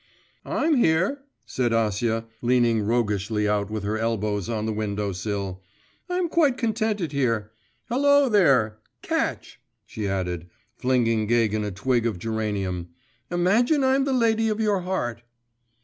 'I'm here,' said Acia, leaning roguishly out with her elbows on the window sill; 'I'm quite contented here. Hullo there, catch,' she added, flinging Gagin a twig of geranium; 'imagine I'm the lady of your heart.